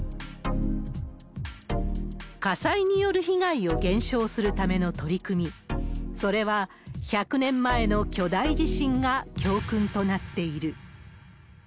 火災による被害を減少するための取り組み、それは１００年前の巨大地震が教訓となっている。